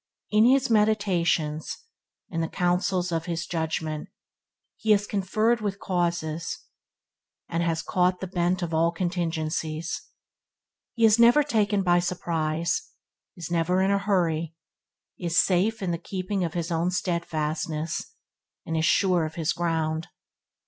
In his meditations, in the counsels of his judgement, he has conferred with causes, and has caught the bent of all contingencies. He is never taken by surprise; is never in a hurry, is safe in the keeping of his own steadfastness, and is sure of his ground.